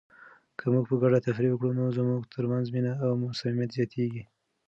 که موږ په ګډه تفریح وکړو نو زموږ ترمنځ مینه او صمیمیت زیاتیږي.